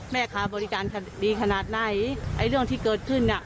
แม่ค้าบริการดีขนาดไหนไอ้เรื่องที่เกิดขึ้นน่ะ